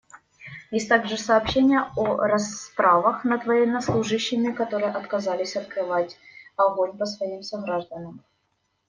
Есть также сообщения о расправах над военнослужащими, которые отказались открывать огонь по своим согражданам.